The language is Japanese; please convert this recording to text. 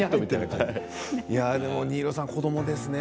新納さん、子どもですね。